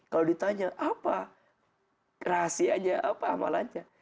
kalau ditanya apa rahasianya apa amalannya